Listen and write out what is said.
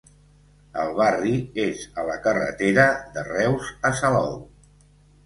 El barri és a la carretera de Reus a Salou.